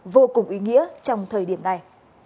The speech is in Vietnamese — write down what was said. vô cùng ý nghĩa trong thời điểm này